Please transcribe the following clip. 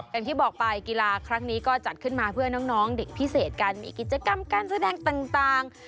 อย่างที่บอกไปกีฬาครั้งนี้ก็จัดขึ้นมาเพื่อน้องเด็กพิเศษการมีกิจกรรมการแสดงต่าง